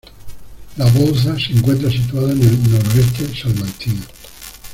La Bouza se encuentra situada en el noroeste salmantino.